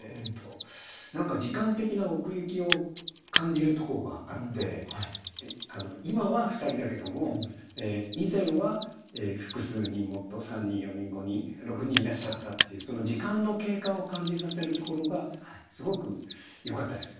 何か時間的な奥行きを感じるとこがあって今は２人だけども以前は複数人もっと３人４人５人６人いらっしゃったっていうその時間の経過を感じさせるところがすごくよかったです。